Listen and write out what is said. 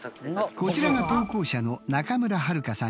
こちらが投稿者の仲村春香さん